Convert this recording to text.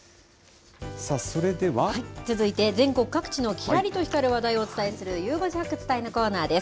続いて全国各地のきらりと光る話題をお伝えする、ゆう５時発掘隊のコーナーです。